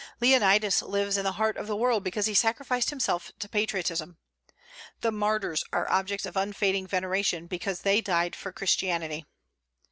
Leonidas lives in the heart of the world because he sacrificed himself to patriotism. The martyrs are objects of unfading veneration, because they died for Christianity.